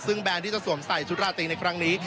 ซึ่งแบรนด์ที่จะสวมใส่ชุดราตรีในครั้งนี้